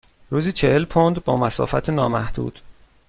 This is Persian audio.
روزی چهل پوند با مسافت نامحدود.